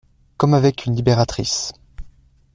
Comme avec une libératrice.